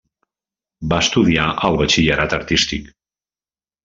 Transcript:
Va estudiar el Batxillerat artístic.